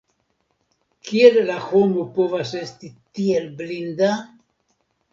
Kiel la homo povas esti tiel blinda?